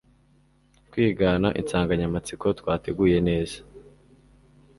kwigana insanganyamatsiko twateguye neza